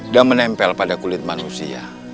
dan menempel pada kulit manusia